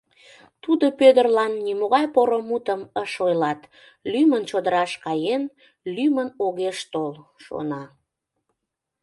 Тудо Пӧдырлан нимогай поро мутым ыш ойлат, лӱмын чодыраш каен, лӱмын огеш тол, шона.